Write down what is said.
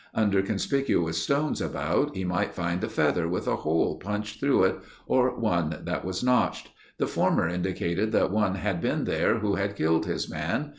Under conspicuous stones about, he might find a feather with a hole punched through it or one that was notched. The former indicated that one had been there who had killed his man.